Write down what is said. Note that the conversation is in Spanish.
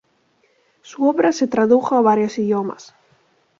Su obra se tradujo a varios idiomas.